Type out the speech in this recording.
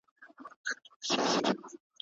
هغه فابریکي چي ویجاړي سوي، بېرته به جوړي سي.